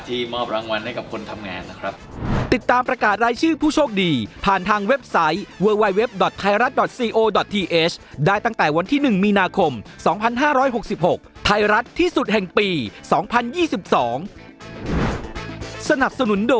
มอบรางวัลให้กับคนทำงานนะครับ